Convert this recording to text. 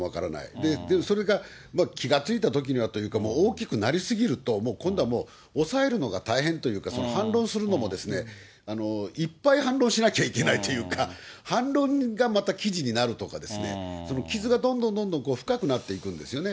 でもそれが、気がついたときにというか、大きくなりすぎると、もう今度はもう、抑えるのが大変というか、その反論するのもいっぱい反論しなきゃいけないというか、反論がまた記事になるとかですね、その傷がどんどんどんどん深くなっていくんですよね。